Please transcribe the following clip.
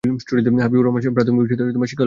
হাবিবুর রহমান প্রাথমিক বিদ্যালয়ে শিক্ষকতা করতেন।